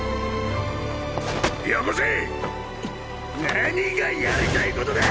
何がやりたいことだ！